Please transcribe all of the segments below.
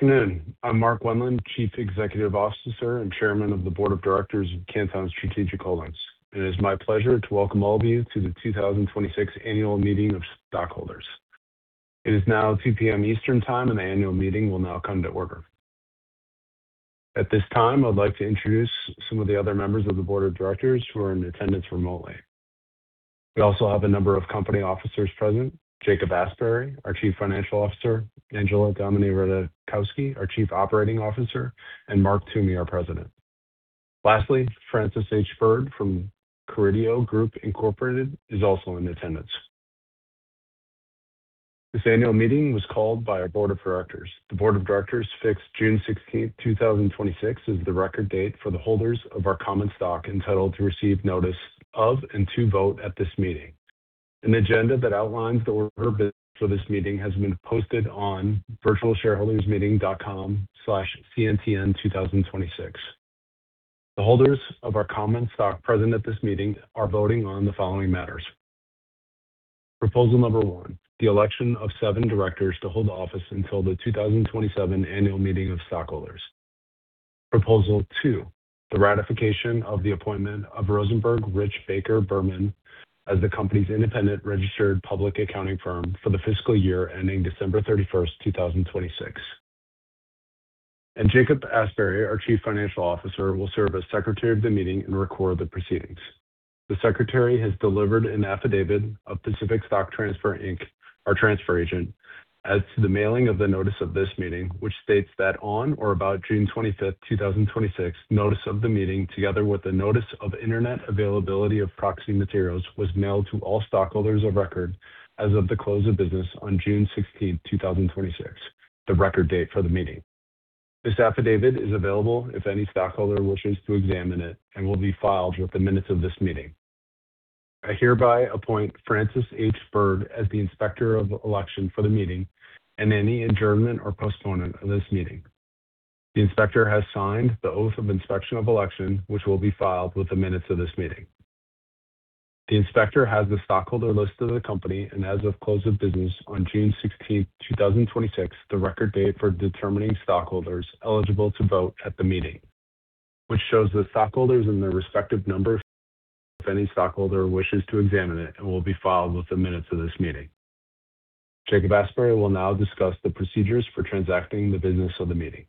Good afternoon. I'm Mark Wendland, Chief Executive Officer and Chairman of the Board of Directors of Canton Strategic Holdings. It is my pleasure to welcome all of you to the 2026 Annual Meeting of Stockholders. It is now 2:00 P.M. Eastern Time. The annual meeting will now come to order. At this time, I would like to introduce some of the other members of the board of directors who are in attendance remotely. We also have a number of company officers present, Jacob Asbury, our Chief Financial Officer, Angela Radkowski, our Chief Operating Officer, and Mark Toomey, our President. Lastly, Francis H. Burd from Carideo Group Incorporated is also in attendance. This annual meeting was called by our board of directors. The board of directors fixed June 16th, 2026, as the record date for the holders of our common stock entitled to receive notice of and to vote at this meeting. An agenda that outlines the order of business for this meeting has been posted on virtualshareholdermeeting.com/cntn2026. The holders of our common stock present at this meeting are voting on the following matters. Proposal No. 1, the election of seven directors to hold office until the 2027 annual meeting of stockholders. Proposal 2, the ratification of the appointment of Rosenberg Rich Baker Berman as the company's independent registered public accounting firm for the fiscal year ending December 31st, 2026. Jacob Asbury, our Chief Financial Officer, will serve as secretary of the meeting and record the proceedings. The secretary has delivered an affidavit of Pacific Stock Transfer, Inc., our transfer agent, as to the mailing of the notice of this meeting, which states that on or about June 25th, 2026, notice of the meeting, together with the notice of internet availability of proxy materials, was mailed to all stockholders of record as of the close of business on June 16th, 2026, the record date for the meeting. This affidavit is available if any stockholder wishes to examine it and will be filed with the minutes of this meeting. I hereby appoint Francis H. Burd as the Inspector of Election for the meeting and any adjournment or postponement of this meeting. The Inspector has signed the oath of inspection of election, which will be filed with the minutes of this meeting. The Inspector has the stockholder list of the company as of close of business on June 16th, 2026, the record date for determining stockholders eligible to vote at the meeting, which shows the stockholders and their respective number if any stockholder wishes to examine it and will be filed with the minutes of this meeting. Jacob Asbury will now discuss the procedures for transacting the business of the meeting.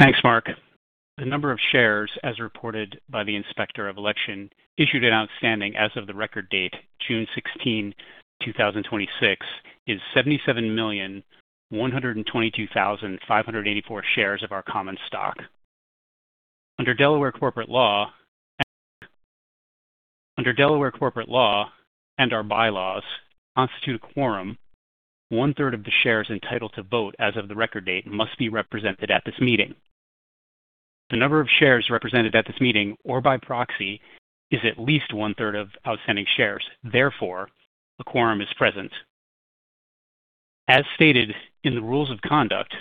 Thanks, Mark. The number of shares, as reported by the Inspector of Election, issued and outstanding as of the record date, June 16, 2026, is 77,122,584 shares of our common stock. Under Delaware corporate law and our bylaws, to constitute a quorum, one-third of the shares entitled to vote as of the record date must be represented at this meeting. The number of shares represented at this meeting or by proxy is at least one-third of outstanding shares. Therefore, a quorum is present. As stated in the rules of conduct,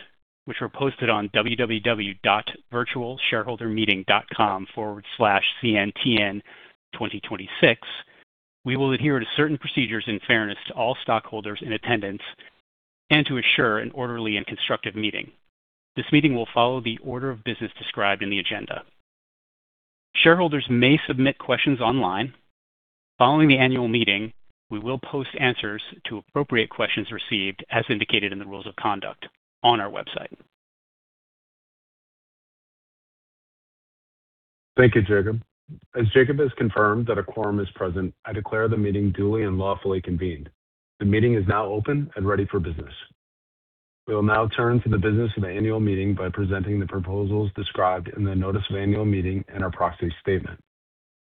which were posted on www.virtualshareholdermeeting.com/cntn2026, we will adhere to certain procedures in fairness to all stockholders in attendance and to assure an orderly and constructive meeting. This meeting will follow the order of business described in the agenda. Shareholders may submit questions online. Following the annual meeting, we will post answers to appropriate questions received as indicated in the rules of conduct on our website. Thank you, Jacob. As Jacob Asbury has confirmed that a quorum is present, I declare the meeting duly and lawfully convened. The meeting is now open and ready for business. We will now turn to the business of the annual meeting by presenting the proposals described in the notice of annual meeting and our proxy statement.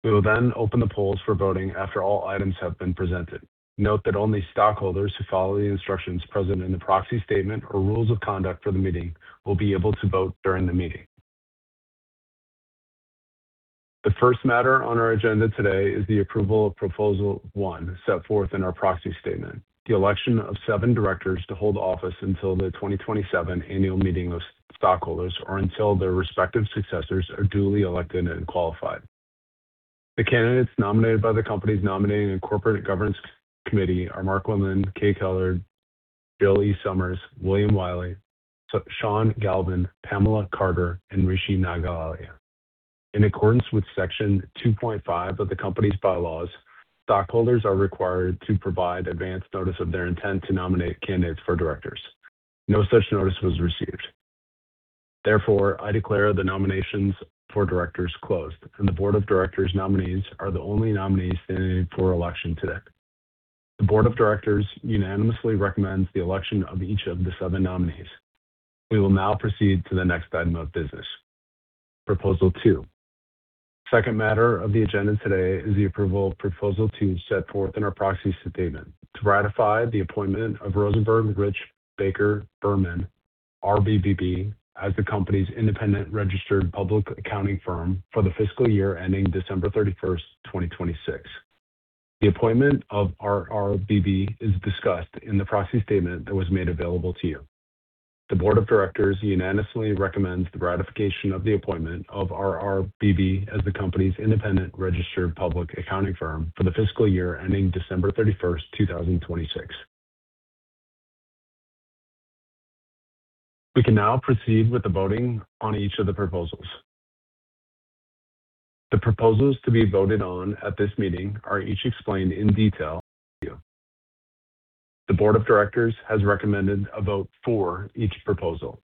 We will open the polls for voting after all items have been presented. Note that only stockholders who follow the instructions present in the proxy statement or rules of conduct for the meeting will be able to vote during the meeting. The first matter on our agenda today is the approval of Proposal 1 set forth in our proxy statement. The election of seven directors to hold office until the 2027 annual meeting of stockholders or until their respective successors are duly elected and qualified. The candidates nominated by the company's Nominating and Corporate Governance Committee are Mark Wendland, Clay Kahler, Jill E. Sommers, William Wiley, Sean Galvin, Pamela Carter, and Rishi Nangalia. In accordance with Section 2.5 of the company's bylaws, stockholders are required to provide advance notice of their intent to nominate candidates for directors. No such notice was received. Therefore, I declare the nominations for directors closed, and the board of directors' nominees are the only nominees standing for election today. The board of directors unanimously recommends the election of each of the seven nominees. We will now proceed to the next item of business, Proposal 2. Second matter of the agenda today is the approval of Proposal 2 set forth in our proxy statement to ratify the appointment of Rosenberg Rich Baker Berman, RRBB, as the company's independent registered public accounting firm for the fiscal year ending December 31st, 2026. The appointment of RRBB is discussed in the proxy statement that was made available to you. The Board of Directors unanimously recommends the ratification of the appointment of RRBB as the company's independent registered public accounting firm for the fiscal year ending December 31st, 2026. We can now proceed with the voting on each of the proposals. The proposals to be voted on at this meeting are each explained in detail. The Board of Directors has recommended a vote for each proposal.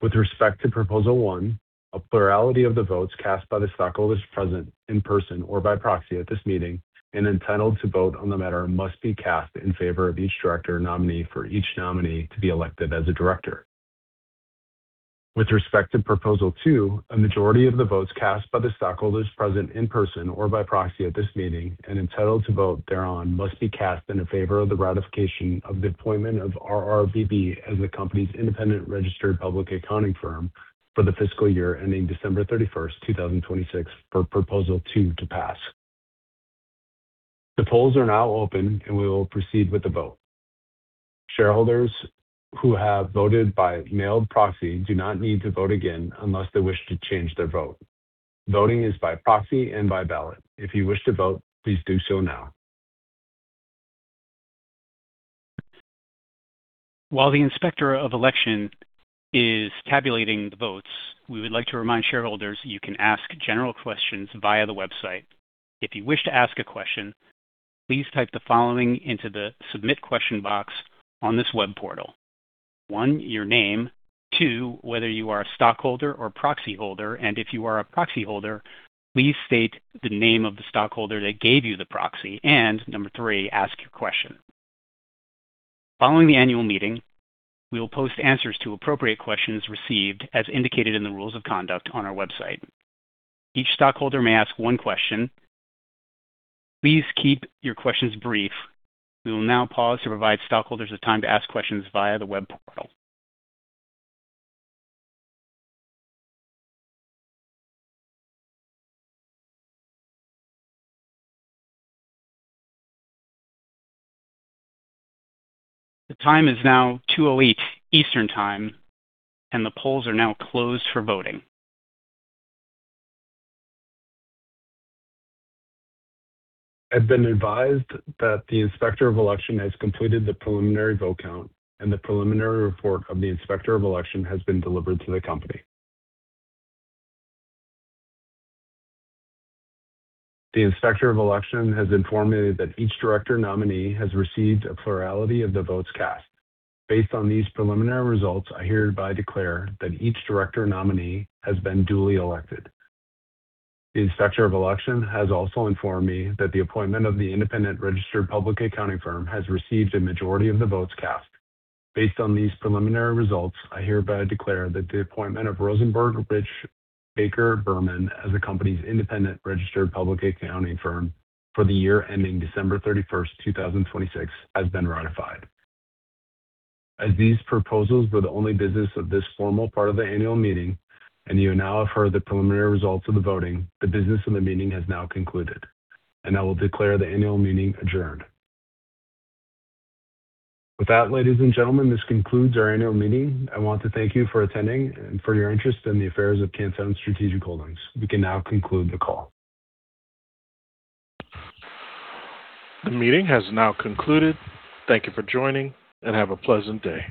With respect to Proposal 1, a plurality of the votes cast by the stockholders present in person or by proxy at this meeting and entitled to vote on the matter must be cast in favor of each Director Nominee for each nominee to be elected as a director. With respect to Proposal 2, a majority of the votes cast by the stockholders present in person or by proxy at this meeting and entitled to vote thereon must be cast in favor of the ratification of the appointment of RRBB as the company's independent registered public accounting firm for the fiscal year ending December 31st, 2026 for Proposal 2 to pass. The polls are now open, and we will proceed with the vote. Shareholders who have voted by mailed proxy do not need to vote again unless they wish to change their vote. Voting is by proxy and by ballot. If you wish to vote, please do so now. While the Inspector of Election is tabulating the votes, we would like to remind shareholders you can ask general questions via the website. If you wish to ask a question, please type the following into the submit question box on this web portal. One, your name. Two, whether you are a stockholder or proxy holder, and if you are a proxy holder, please state the name of the stockholder that gave you the proxy. Number three, ask your question. Following the annual meeting, we will post answers to appropriate questions received as indicated in the rules of conduct on our website. Each stockholder may ask one question. Please keep your questions brief. We will now pause to provide stockholders the time to ask questions via the web portal. The time is now 2:08 P.M. Eastern Time, and the polls are now closed for voting. I've been advised that the Inspector of Election has completed the preliminary vote count, and the preliminary report of the Inspector of Election has been delivered to the company. The Inspector of Election has informed me that each Director Nominee has received a plurality of the votes cast. Based on these preliminary results, I hereby declare that each Director Nominee has been duly elected. The Inspector of Election has also informed me that the appointment of the independent registered public accounting firm has received a majority of the votes cast. Based on these preliminary results, I hereby declare that the appointment of Rosenberg Rich Baker Berman as the company's independent registered public accounting firm for the year ending December thirty-first, 2026, has been ratified. As these proposals were the only business of this formal part of the annual meeting, and you now have heard the preliminary results of the voting, the business of the meeting has now concluded, and I will declare the annual meeting adjourned. With that, ladies and gentlemen, this concludes our annual meeting. I want to thank you for attending and for your interest in the affairs of Canton Strategic Holdings. We can now conclude the call. The meeting has now concluded. Thank you for joining, and have a pleasant day.